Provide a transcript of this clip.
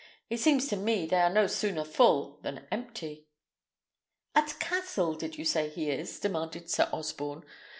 It seems to me they are no sooner full than empty." "At Cassel did you say he is?" demanded Sir Osborne.